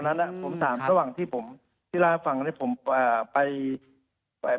ตอนนั้นผมถามระหว่างที่ผมที่ลาฟังนี้ผมไป